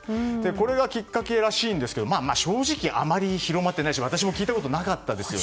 これがきっかけらしいんですが正直あまり広まっていないし私も聞いたことなかったです。